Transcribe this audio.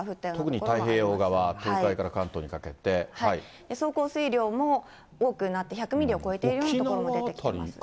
特に太平洋側、総降水量も多くなって、１００ミリを超えているような所も出てきています。